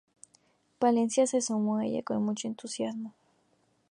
Palencia se sumó a ella con mucho entusiasmo.